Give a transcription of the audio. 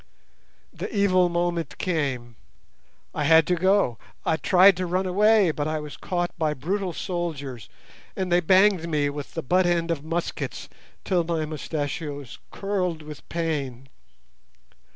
"The evil moment came; I had to go. I tried to run away, but I was caught by brutal soldiers, and they banged me with the butt end of muskets till my mustachios curled with pain.